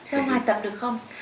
ra ngoài tập được không